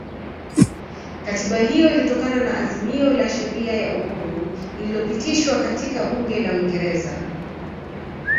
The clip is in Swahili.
Katiba hiyo ilitokana na azimio la sheria ya uhuru lililopitishwa katika bunge la uingereza